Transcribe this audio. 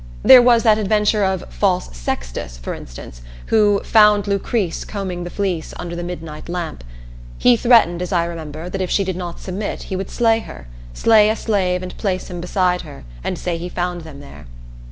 There was that adventure of "false Sextus," for instance, who "found Lucrese combing the fleece, under the midnight lamp." He threatened, as I remember, that if she did not submit he would slay her, slay a slave and place him beside her and say he found him there.